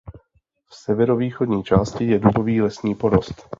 V severovýchodní části je dubový lesní porost.